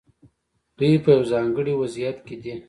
دوی په یو ځانګړي وضعیت کې دي.